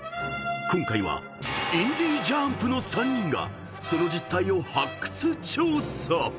［今回はインディ・ジャーンプの３人がその実態を発掘調査］